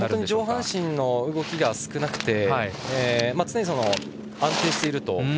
上半身の動きが少なく常に、安定していると。